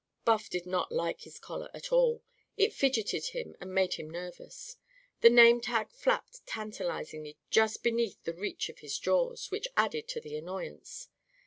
Buff did not like his collar at all. It fidgeted him and made him nervous. The name tag flapped tantalisingly just beneath the reach of his jaws; which added to the annoyance.